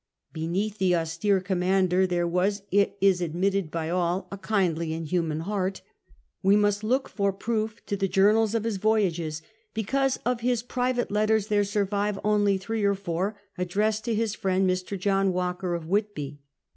Beneath the austere commander there was, it is admitted by all, a kindly and human heart. We must look for proof to the journals of his voyages, be cause of his private letters, there survive only three or four addressed to his friend Mr. John Walker of AVhitby.